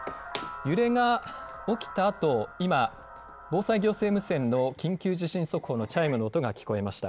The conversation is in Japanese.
揺れが起きたあと、今、防災行政無線の緊急地震速報のチャイムの音が聞こえました。